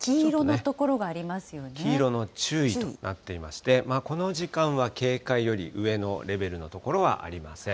黄色の注意となっていまして、この時間は警戒より上のレベルの所はありません。